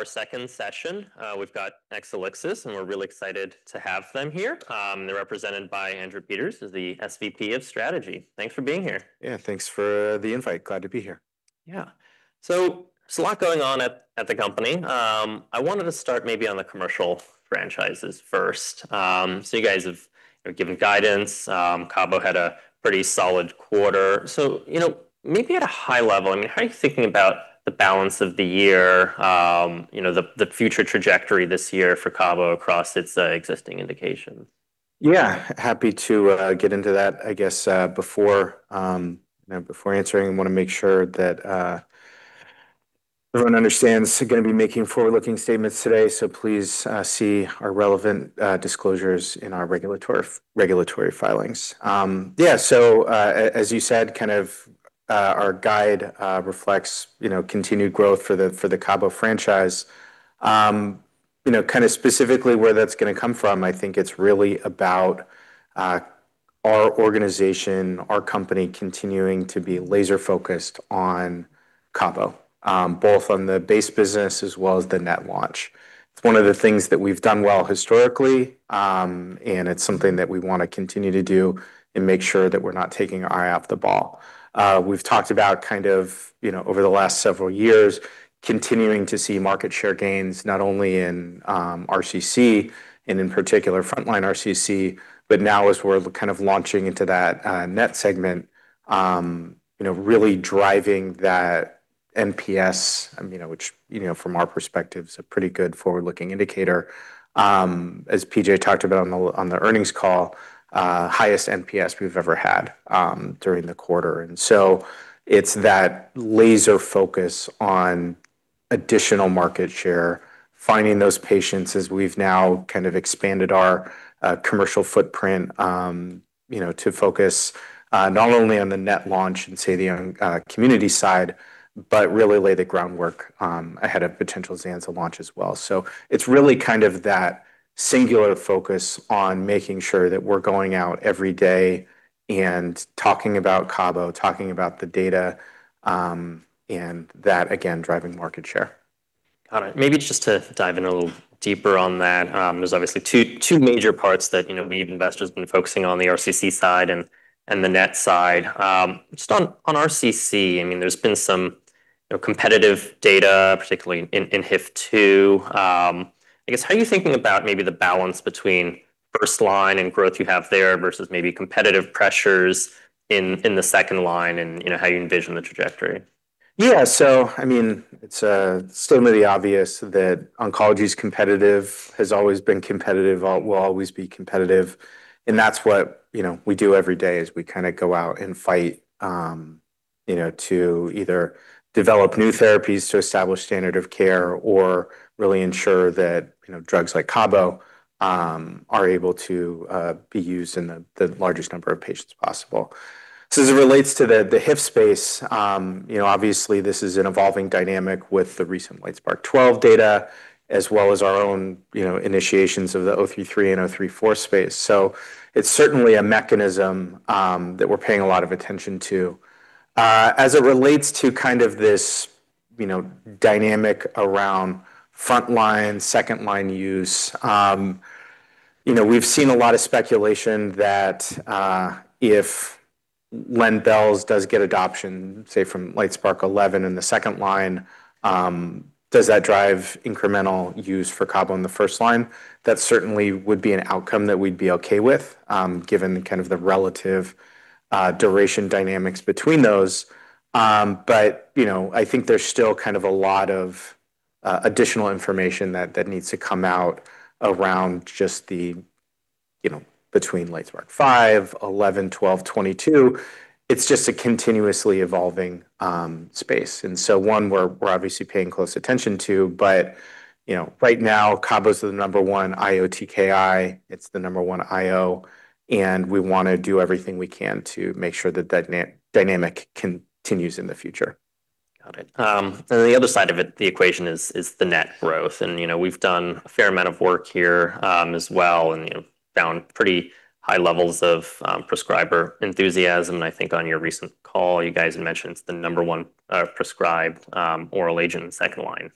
Our second session, we've got Exelixis, and we're really excited to have them here. They're represented by Andrew Peters, who's the SVP of Strategy. Thanks for being here. Thanks for the invite. Glad to be here. Yeah. There's a lot going on at the company. I wanted to start maybe on the commercial franchises first. You guys have given guidance. CABO had a pretty solid quarter. You know, maybe at a high level, I mean, how are you thinking about the balance of the year, you know, the future trajectory this year for CABO across its existing indications? Happy to get into that. I guess, you know, before answering, I want to make sure that everyone understands we're going to be making forward-looking statements today. Please see our relevant disclosures in our regulatory filings. As you said, kind of, our guide reflects, you know, continued growth for the CABO franchise. You know, kind of specifically where that's going to come from, I think it's really about our organization, our company continuing to be laser-focused on CABO, both on the base business as well as the NET launch. It's one of the things that we've done well historically, it's something that we want to continue to do and make sure that we're not taking our eye off the ball. We've talked about kind of, you know, over the last several years, continuing to see market share gains, not only in RCC, and in particular frontline RCC, but now as we're kind of launching into that NET segment, you know, really driving that NPS, you know, which, you know, from our perspective, is a pretty good forward-looking indicator. As PJ talked about on the earnings call, highest NPS we've ever had during the quarter. It's that laser focus on additional market share, finding those patients as we've now kind of expanded our commercial footprint, you know, to focus not only on the NET launch and say the community side, but really lay the groundwork ahead of potential zanza launch as well. It's really kind of that singular focus on making sure that we're going out every day and talking about CABO, talking about the data, and that again, driving market share. Got it. Maybe just to dive in a little deeper on that, there's obviously two major parts that, you know, we investors been focusing on the RCC side and the NET side. Just on RCC, I mean, there's been some, you know, competitive data, particularly in HIF-2. I guess, how are you thinking about maybe the balance between first line and growth you have there versus maybe competitive pressures in the second line and, you know, how you envision the trajectory? Yeah. I mean, it's certainly obvious that oncology is competitive, has always been competitive, will always be competitive. That's what, you know, we do every day is we kinda go out and fight, you know, to either develop new therapies to establish standard of care or really ensure that, you know, drugs like CABO are able to be used in the largest number of patients possible. As it relates to the HIF space, you know, obviously this is an evolving dynamic with the recent LITESPARK-012 data as well as our own, you know, initiations of the O323 and O324 space. It's certainly a mechanism that we're paying a lot of attention to. As it relates to kind of this, you know, dynamic around frontline, second-line use, you know, we've seen a lot of speculation that if lenvatinib does get adoption, say from LITESPARK-011 in the second line, does that drive incremental use for CABO in the first-line? That certainly would be an outcome that we'd be okay with, given the kind of the relative duration dynamics between those. You know, I think there's still kind of a lot of additional information that needs to come out around just the, you know, between LITESPARK-05, 011, 012, 022. It's just a continuously evolving space. One we're obviously paying close attention to, but, you know, right now, CABO is the number one IO/TKI. It's the number one IO. We wanna do everything we can to make sure that that dynamic continues in the future. Got it. The other side of it, the equation is the NET growth. You know, we've done a fair amount of work here, as well and, you know, found pretty high levels of prescriber enthusiasm. I think on your recent call, you guys mentioned it's the number one prescribed oral agent in second line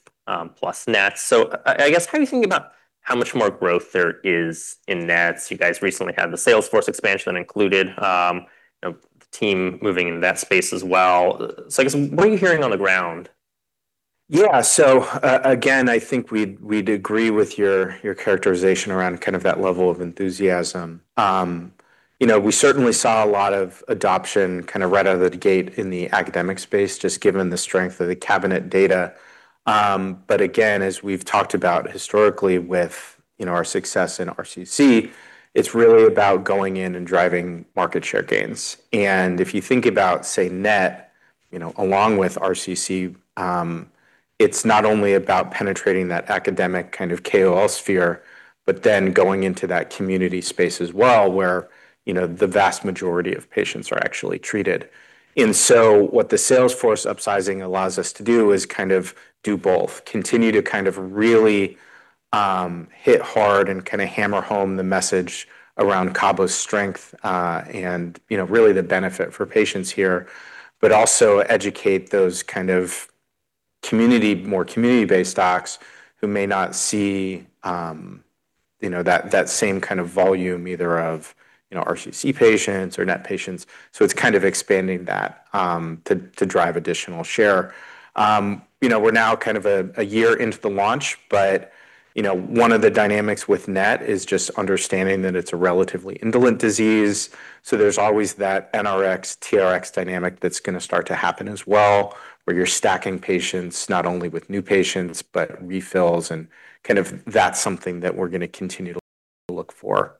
plus NETs. I guess, how are you thinking about how much more growth there is in NETs? You guys recently had the Salesforce expansion that included, you know, the team moving in that space as well. I guess, what are you hearing on the ground? Yeah. Again, I think we'd agree with your characterization around kind of that level of enthusiasm. You know, we certainly saw a lot of adoption kind of right out of the gate in the academic space, just given the strength of the CABINET data. But again, as we've talked about historically with, you know, our success in RCC, it's really about going in and driving market share gains. If you think about, say, NET, you know, along with RCC, it's not only about penetrating that academic kind of KOL sphere, but then going into that community space as well where, you know, the vast majority of patients are actually treated. What the Salesforce upsizing allows us to do is kind of do both, continue to kind of really hit hard and kind of hammer home the message around CABO's strength, and, you know, really the benefit for patients here, but also educate those kind of community, more community-based docs who may not see, you know, that same kind of volume either of, you know, RCC patients or NET patients. It's kind of expanding that to drive additional share. You know, we're now kind of a year into the launch, but, you know, one of the dynamics with NET is just understanding that it's a relatively indolent disease. There's always that NRx/TRx dynamic that's gonna start to happen as well, where you're stacking patients not only with new patients, but refills and kind of that's something that we're gonna continue to look for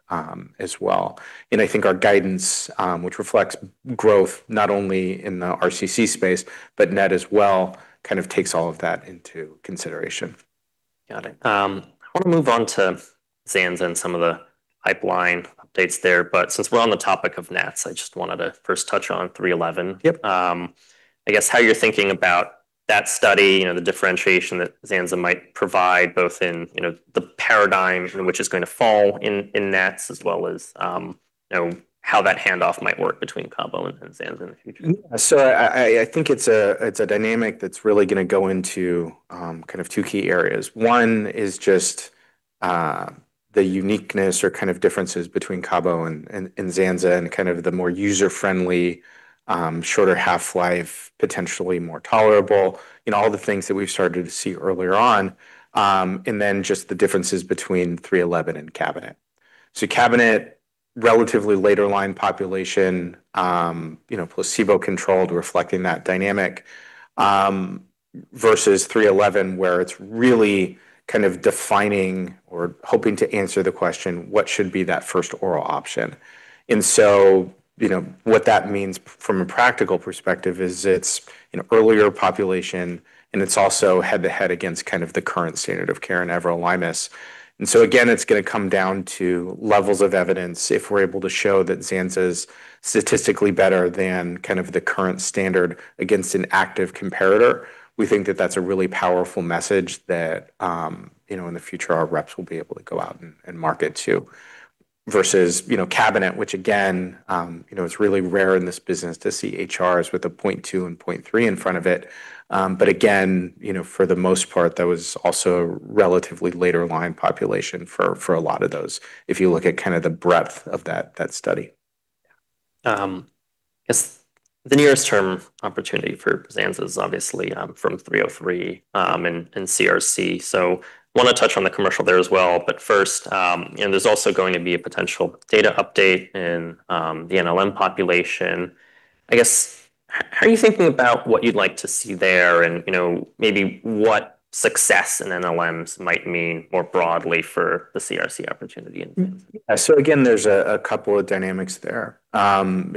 as well. I think our guidance, which reflects growth not only in the RCC space, but NET as well, kind of takes all of that into consideration. Got it. I wanna move on to zanza and some of the pipeline updates there. Since we're on the topic of NETs, I just wanted to first touch on three-eleven. Yep. I guess how you're thinking about that study, you know, the differentiation that zanza might provide, both in, you know, the paradigm in which it's gonna fall in NETs as well as, you know, how that handoff might work between CABO and zanza in the future. I think it's a dynamic that's really gonna go into kind of two key areas. One is just the uniqueness or kind of differences between CABO and zanza and kind of the more user-friendly, shorter half-life, potentially more tolerable, you know, all the things that we've started to see earlier on. Just the differences between 3-11 and CABINET. CABINET, relatively later line population, you know, placebo-controlled reflecting that dynamic, versus 3-11, where it's really kind of defining or hoping to answer the question, what should be that first oral option? You know, what that means from a practical perspective is it's an earlier population, and it's also head-to-head against kind of the current standard of care in everolimus. Again, it's gonna come down to levels of evidence. If we're able to show that zanza's statistically better than kind of the current standard against an active comparator, we think that that's a really powerful message that, you know, in the future our reps will be able to go out and market to. Versus, you know, CABINET, which again, you know, it's really rare in this business to see HRs with a 0.2 and 0.3 in front of it. Again, you know, for the most part, that was also relatively later line population for a lot of those, if you look at kind of the breadth of that study. I guess the nearest term opportunity for zanza is obviously from STELLAR-303 and CRC. Wanna touch on the commercial there as well. First, and there's also going to be a potential data update in the NLM population. I guess, how are you thinking about what you'd like to see there and, you know, maybe what success in NLMs might mean more broadly for the CRC opportunity in zanza? Again, there's a couple of dynamics there. you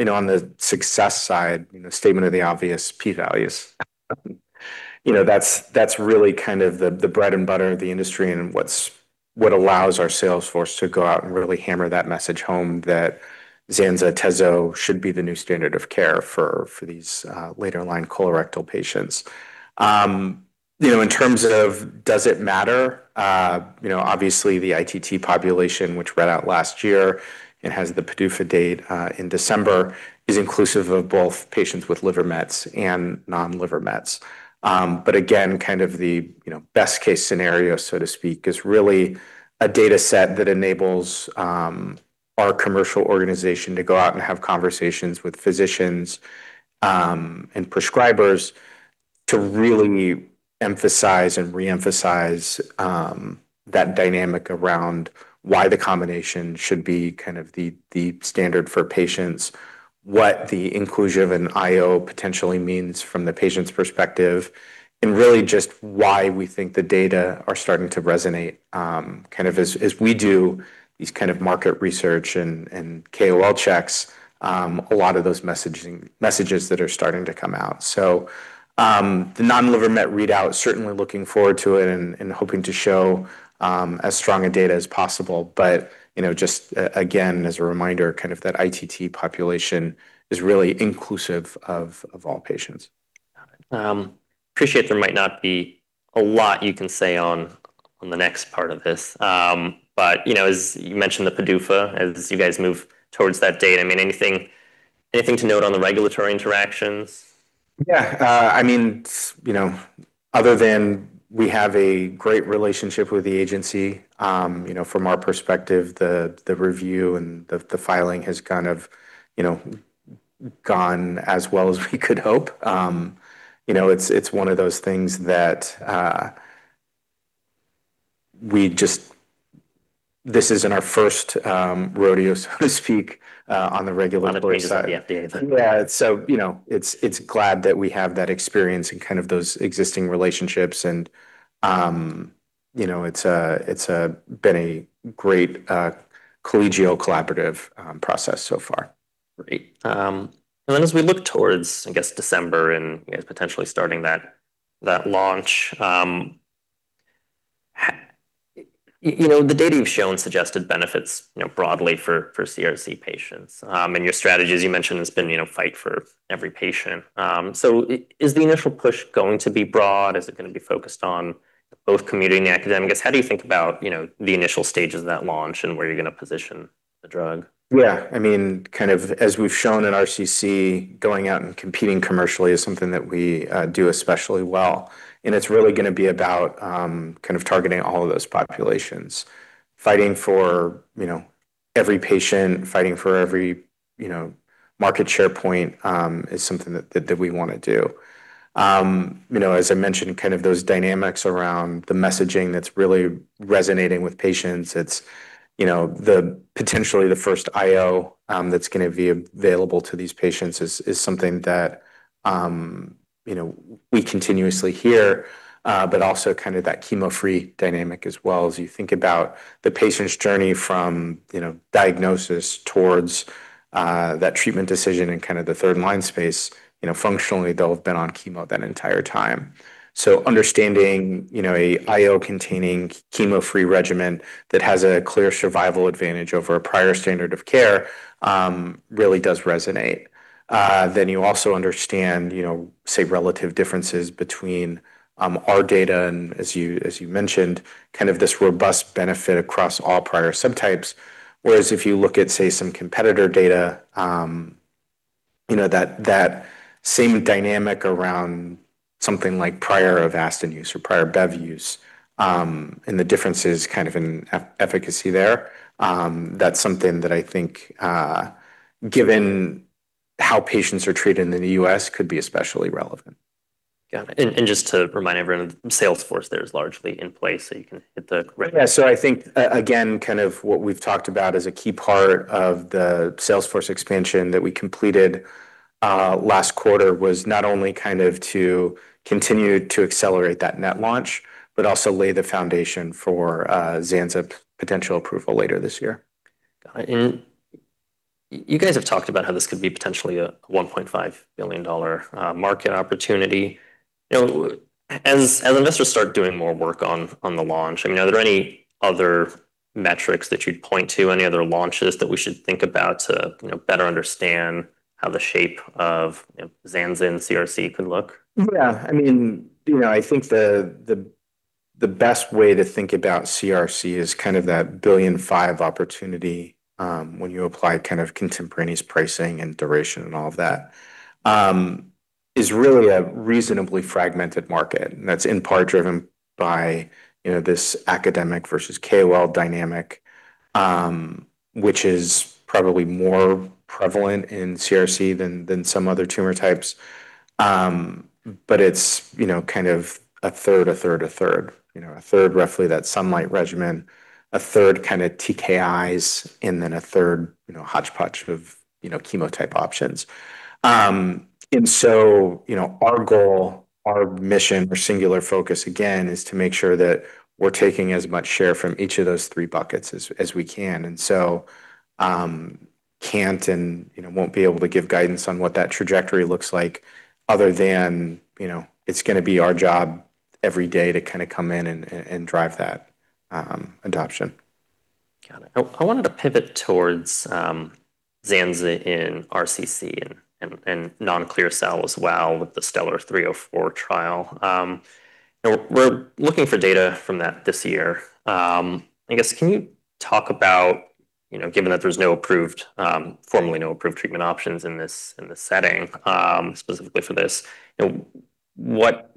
know, on the success side, you know, statement of the obvious, P values. you know, that's really kind of the bread and butter of the industry and what allows our sales force to go out and really hammer that message home that zanza/atezolizumab should be the new standard of care for these later line colorectal patients. you know, in terms of does it matter, you know, obviously the ITT population, which read out last year and has the PDUFA date, in December, is inclusive of both patients with liver mets and non-liver mets. Again, kind of the, you know, best case scenario, so to speak, is really a data set that enables our commercial organization to go out and have conversations with physicians and prescribers to really emphasize and re-emphasize that dynamic around why the combination should be kind of the standard for patients, what the inclusion of an IO potentially means from the patient's perspective, and really just why we think the data are starting to resonate, kind of as we do these kind of market research and KOL checks, a lot of those messages that are starting to come out. The non-liver met readout, certainly looking forward to it and hoping to show as strong a data as possible. You know, just again, as a reminder, kind of that ITT population is really inclusive of all patients. Got it. Appreciate there might not be a lot you can say on the next part of this. You know, as you mentioned the PDUFA, as you guys move towards that date, I mean, anything to note on the regulatory interactions? Yeah. I mean, you know, other than we have a great relationship with the agency, you know, from our perspective, the review and the filing has kind of, you know, gone as well as we could hope. You know, it's one of those things that This isn't our first rodeo, so to speak, on the regulatory side. Not a stranger to the FDA then. Yeah. You know, it's glad that we have that experience and kind of those existing relationships and, you know, it's a great collegial collaborative process so far. Great. As we look towards, I guess, December and potentially starting that launch, you know, the data you've shown suggested benefits, you know, broadly for CRC patients. Your strategy, as you mentioned, has been, you know, fight for every patient. Is the initial push gonna be broad? Is it gonna be focused on both community and academic? I guess, how do you think about, you know, the initial stages of that launch and where you're gonna position the drug? Yeah, I mean, kind of as we've shown in RCC, going out and competing commercially is something that we do especially well, and it's really gonna be about kind of targeting all of those populations. Fighting for, you know, every patient, fighting for every, you know, market share point, is something that we wanna do. You know, as I mentioned, kind of those dynamics around the messaging that's really resonating with patients, it's, you know, the potentially the first IO that's gonna be available to these patients is something that, you know, we continuously hear, but also kind of that chemo-free dynamic as well. As you think about the patient's journey from, you know, diagnosis towards that treatment decision and kind of the third line space, you know, functionally they'll have been on chemo that entire time. Understanding, you know, a IO-containing chemo-free regimen that has a clear survival advantage over a prior standard of care really does resonate. You also understand, you know, say, relative differences between our data and as you mentioned, kind of this robust benefit across all prior subtypes. Whereas if you look at, say, some competitor data, you know, that same dynamic around something like prior Avastin use or prior bevacizumab use, and the differences kind of in efficacy there, that's something that I think given how patients are treated in the U.S. could be especially relevant. Got it. Just to remind everyone, Salesforce there is largely in place, so you can hit the. Yeah. I think again, kind of what we've talked about is a key part of the Salesforce expansion that we completed last quarter, was not only kind of to continue to accelerate that NET launch, but also lay the foundation for zanza potential approval later this year. Got it. You guys have talked about how this could be potentially a $1.5 billion market opportunity. You know, as investors start doing more work on the launch, I mean, are there any other metrics that you'd point to, any other launches that we should think about to, you know, better understand how the shape of, you know, zanza and CRC could look? Yeah, I mean, you know, I think the best way to think about CRC is kind of that $1.5 billion opportunity when you apply kind of contemporaneous pricing and duration and all of that. It's really a reasonably fragmented market, and that's in part driven by, you know, this academic versus KOL dynamic, which is probably more prevalent in CRC than some other tumor types. But it's, you know, kind of a third, a third, a third. You know, a third roughly that SUNLIGHT regimen, a third kind of TKIs, a third, you know, hodgepodge of, you know, chemo type options. Our goal, our mission, our singular focus, again, is to make sure that we're taking as much share from each of those three buckets as we can. Can't and, you know, won't be able to give guidance on what that trajectory looks like other than, you know, it's gonna be our job every day to kinda come in and drive that adoption. Got it. I wanted to pivot towards zanza in RCC and non-clear cell as well with the STELLAR-304 trial. You know, we're looking for data from that this year. I guess, can you talk about, you know, given that there's no approved, formally no approved treatment options in this setting, specifically for this, you know, what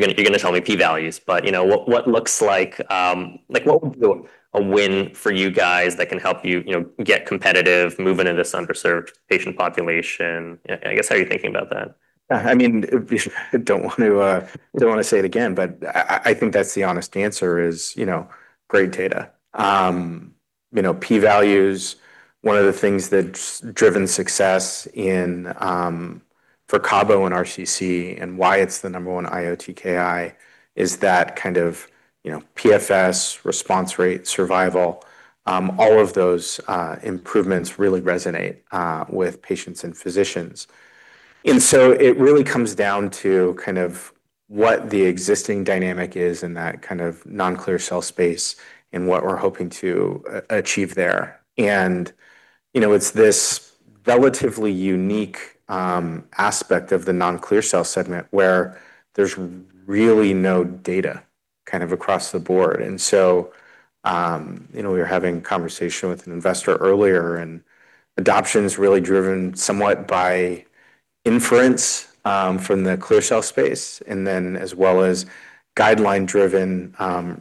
you're gonna tell me P values, but, you know, what looks like what would be a win for you guys that can help you know, get competitive, move into this underserved patient population? I guess, how are you thinking about that? I mean, don't want to say it again, but I think that's the honest answer is, you know, great data. You know, P values, one of the things that's driven success in for CABO and RCC and why it's the number 1 IO/TKI is that kind of, you know, PFS, response rate, survival, all of those improvements really resonate with patients and physicians. It really comes down to kind of what the existing dynamic is in that kind of non-clear cell space and what we're hoping to achieve there. You know, it's this relatively unique aspect of the non-clear cell segment where there's really no data kind of across the board. You know, we were having a conversation with an investor earlier, and adoption is really driven somewhat by inference from the clear cell space, and then as well as guideline-driven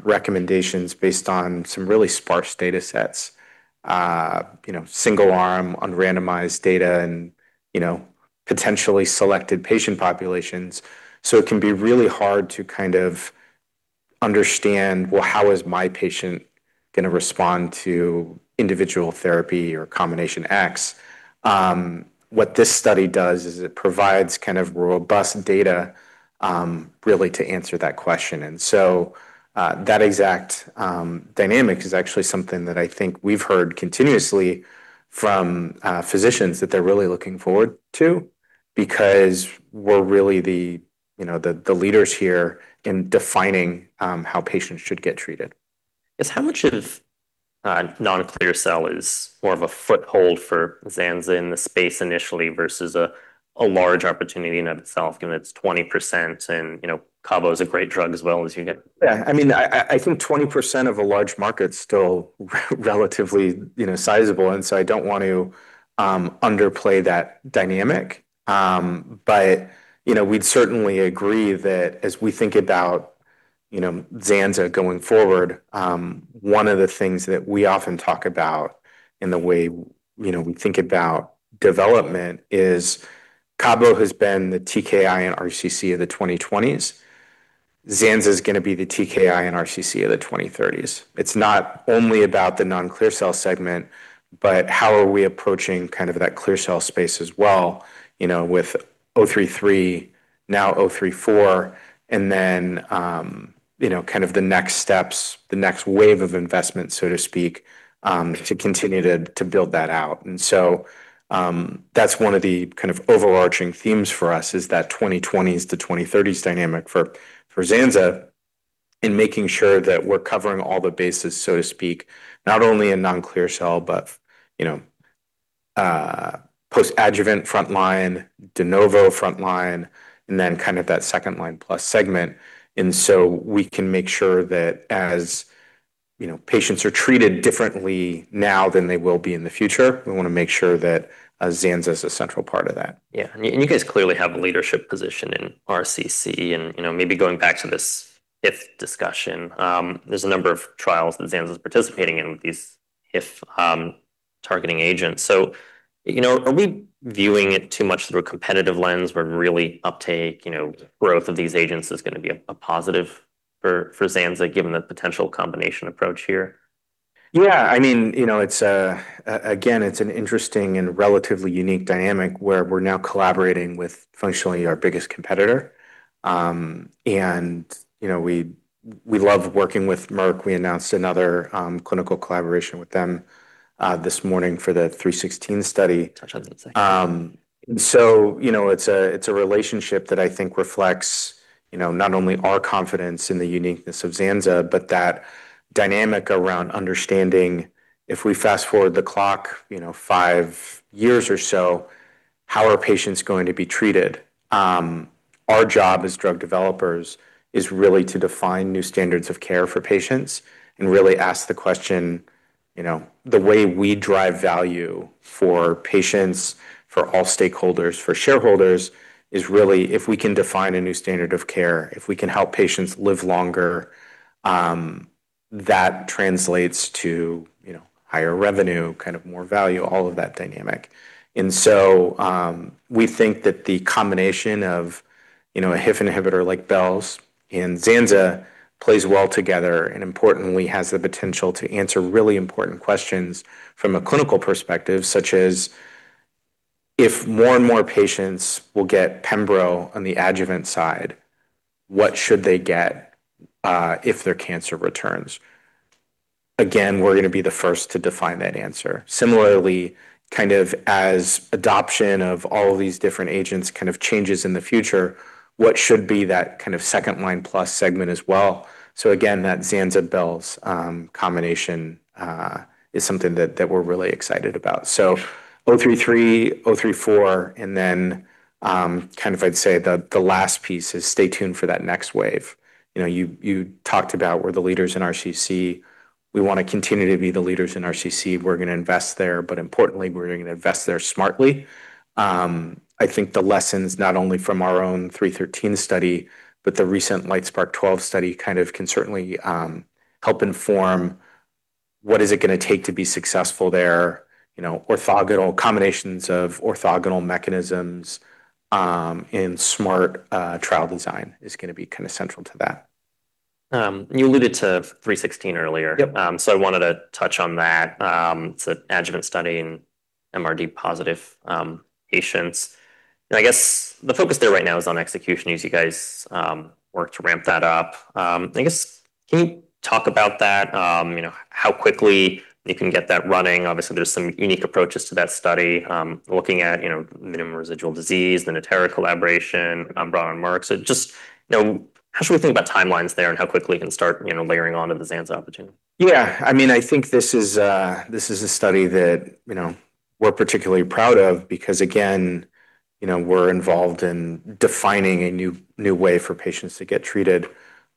recommendations based on some really sparse data sets. You know, single arm, unrandomized data and, you know, potentially selected patient populations. It can be really hard to kind of understand, well, how is my patient gonna respond to individual therapy or combination X? What this study does is it provides kind of robust data really to answer that question. That exact dynamic is actually something that I think we've heard continuously from physicians that they're really looking forward to because we're really You know, the leaders here in defining how patients should get treated. Is how much of non-clear cell is more of a foothold for zanza in the space initially versus a large opportunity in and of itself, given it's 20% and, you know, CABO's a great drug as well as you get? Yeah. I mean, I think 20% of a large market's still relatively, you know, sizable. I don't want to underplay that dynamic. You know, we'd certainly agree that as we think about, you know, zanza going forward, one of the things that we often talk about in the way, you know, we think about development is CABO has been the TKI in RCC of the 2020s. Zanza's gonna be the TKI in RCC of the 2030s. It's not only about the non-clear cell segment, but how are we approaching kind of that clear cell space as well, you know, with O33 now O34 and then, you know, kind of the next steps, the next wave of investment, so to speak, to continue to build that out. That's one of the kind of overarching themes for us is that 2020s to 2030s dynamic for zanza in making sure that we're covering all the bases, so to speak, not only in non-clear cell, but, you know, post-adjuvant, frontline, de novo frontline, and then kind of that second line plus segment. We can make sure that as, you know, patients are treated differently now than they will be in the future, we wanna make sure that zanza is a central part of that. Yeah. You guys clearly have a leadership position in RCC, and you know, maybe going back to this HIF discussion, there's a number of trials that zanza's participating in with these HIF targeting agents. You know, are we viewing it too much through a competitive lens where really uptake, you know, growth of these agents is gonna be a positive for zanza given the potential combination approach here? Yeah, I mean, you know, it's again, it's an interesting and relatively unique dynamic where we're now collaborating with functionally our biggest competitor. You know, we love working with Merck. We announced another clinical collaboration with them this morning for the 316 study. Touch on that in a second. You know, it's a, it's a relationship that I think reflects, you know, not only our confidence in the uniqueness of zanza, but that dynamic around understanding if we fast-forward the clock, you know, five years or so, how are patients going to be treated? Our job as drug developers is really to define new standards of care for patients and really ask the question, you know, the way we drive value for patients, for all stakeholders, for shareholders, is really if we can define a new standard of care, if we can help patients live longer, that translates to, you know, higher revenue, kind of more value, all of that dynamic. We think that the combination of, you know, a HIF inhibitor like belz and zanza plays well together, and importantly has the potential to answer really important questions from a clinical perspective, such as if more and more patients will get pembro on the adjuvant side, what should they get if their cancer returns? Again, we're gonna be the first to define that answer. Similarly, kind of as adoption of all these different agents kind of changes in the future, what should be that kind of second line plus segment as well? Again, that zanza belz combination is something that we're really excited about. O33, O34, kind of I'd say the last piece is stay tuned for that next wave. You know, you talked about we're the leaders in RCC. We wanna continue to be the leaders in RCC. We're gonna invest there, but importantly, we're gonna invest there smartly. I think the lessons not only from our own 313 study, but the recent LITESPARK-012 study kind of can certainly help inform what is it gonna take to be successful there. You know, orthogonal combinations of orthogonal mechanisms, and smart trial design is gonna be kinda central to that. You alluded to 316 earlier. Yep. I wanted to touch on that. It's an adjuvant study in MRD positive patients. I guess the focus there right now is on execution as you guys work to ramp that up. I guess, can you talk about that? You know, how quickly you can get that running. Obviously, there's some unique approaches to that study, looking at, you know, minimum residual disease, the Natera collaboration, Umbra and Merck. Just, you know, how should we think about timelines there and how quickly it can start, you know, layering onto the zanza opportunity? Yeah, I mean, I think this is, this is a study that, you know, we're particularly proud of because again, you know, we're involved in defining a new way for patients to get treated.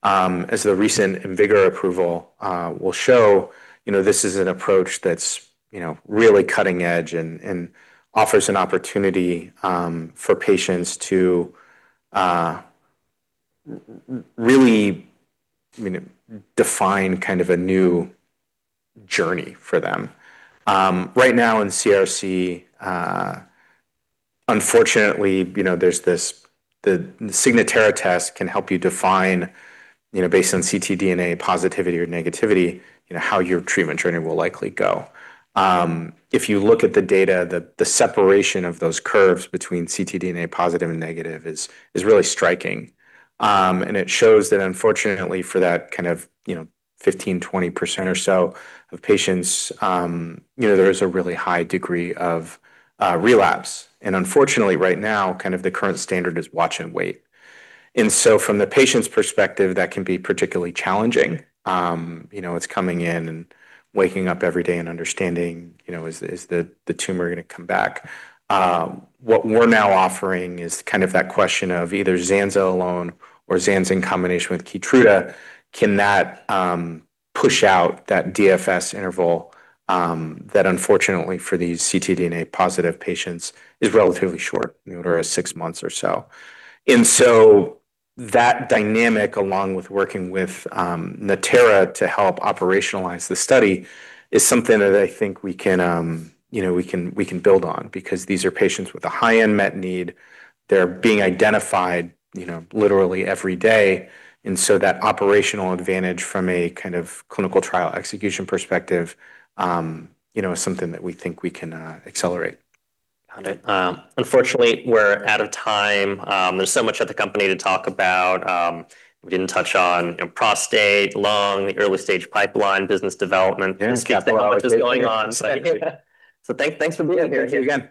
As the recent IMvigor approval will show, you know, this is an approach that's, you know, really cutting edge and offers an opportunity for patients to really, you know, define kind of a new journey for them. Right now in CRC, unfortunately, you know, the Signatera test can help you define, you know, based on ctDNA positivity or negativity, you know, how your treatment journey will likely go. If you look at the data, the separation of those curves between ctDNA positive and negative is really striking. It shows that unfortunately for that kind of, you know, 15%, 20% or so of patients, you know, there is a really high degree of relapse. Unfortunately right now, kind of the current standard is watch and wait. From the patient's perspective, that can be particularly challenging. You know, it's coming in and waking up every day and understanding, you know, is the tumor gonna come back? What we're now offering is kind of that question of either zanza alone or zanza in combination with KEYTRUDA, can that push out that DFS interval that unfortunately for these ctDNA positive patients is relatively short, you know, there is six months or so. That dynamic along with working with Natera to help operationalize the study is something that I think we can build on because these are patients with a high unmet need. They're being identified, you know, literally every day. That operational advantage from a kind of clinical trial execution perspective, you know, is something that we think we can accelerate. Got it. Unfortunately, we're out of time. There's so much at the company to talk about. We didn't touch on, you know, prostate, lung, the early-stage pipeline, business development. Yeah. Just given how much is going on. Thanks for being here again.